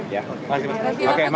ya makasih mas